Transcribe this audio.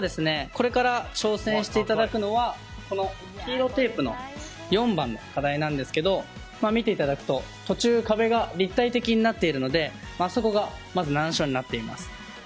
これから挑戦していただくのはこの黄色テープの４番の課題なんですけども見ていただくと途中、壁が立体的になっているのでそこがまず難所になっています。